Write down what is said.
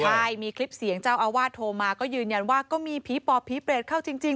ใช่มีคลิปเสียงเจ้าอาวาสโทรมาก็ยืนยันว่าก็มีผีปอบผีเปรตเข้าจริง